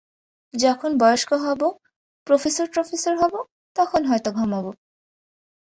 যখন বয়স্ক হব, প্রফেসর-ট্রফেসর হব, তখন হয়তো ঘামাব!